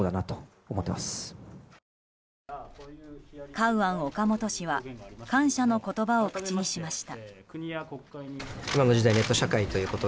カウアン・オカモト氏は感謝の言葉を口にしました。